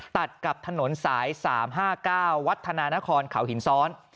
ตัดกับถนนสาย๓๕๙วัฒนานครเขาหินซ้อน